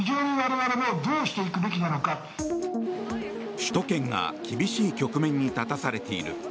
首都圏が厳しい局面に立たされている。